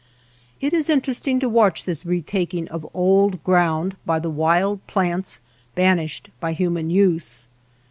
It is interesting to watch this retaking/ of old ground by the wild plants, banished y by human use.